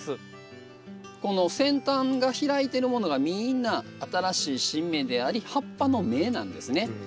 この先端が開いてるものがみんな新しい新芽であり葉っぱの芽なんですね。